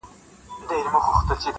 • تل به تر لمني هر یوسف زلیخا نه یسي -